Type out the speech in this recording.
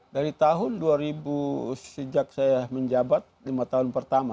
dari tahun dua ribu sejak saya menjabat lima tahun pertama